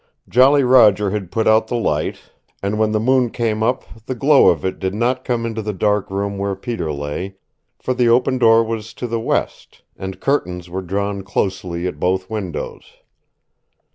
Jolly Roger had put out the light, and when the moon came up the glow of it did not come into the dark room where Peter lay, for the open door was to the west, and curtains were drawn closely at both windows.